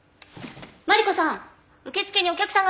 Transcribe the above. マリコさん